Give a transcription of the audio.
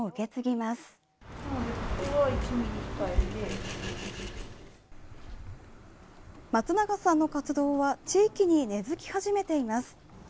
まつながさんの活動は地域に根づき始めています。